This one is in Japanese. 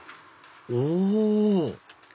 お！